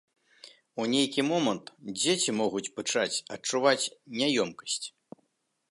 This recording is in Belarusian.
У нейкі момант дзеці могуць пачаць адчуваць няёмкасць.